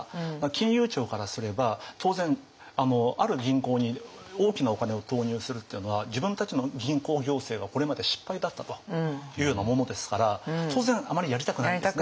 金融庁からすれば当然ある銀行に大きなお金を投入するっていうのは自分たちの銀行行政はこれまで失敗だったというようなものですから当然あまりやりたくないんですね。